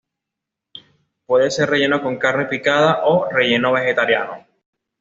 Puede ser relleno con carne picada o relleno vegetariano.